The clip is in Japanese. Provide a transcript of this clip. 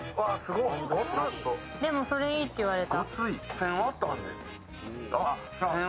それいいって言われた。